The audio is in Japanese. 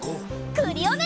クリオネ！